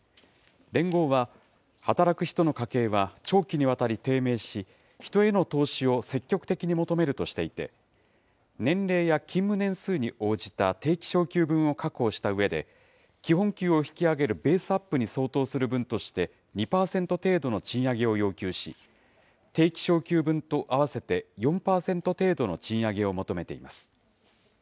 連合は、働く人の家計は長期にわたり低迷し、人への投資を積極的に求めるとしていて、年齢や勤務年数に応じた定期昇給分を確保したうえで、基本給を引き上げるベースアップに相当する分として２％程度の賃上げを要求し、定期昇給分と合わせて４％程度の賃上げを求めています。